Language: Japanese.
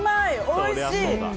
おいしい！